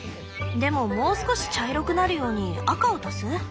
でももう少し茶色くなるように赤を足す？